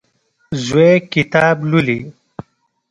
زوی کتاب لولي.